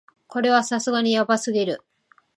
これはさすがにヤバすぎる